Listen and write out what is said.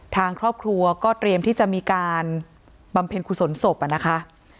ทางครอบครัวก็เตรียมที่จะมีการบำเพ็ญกุศลศพนะคะ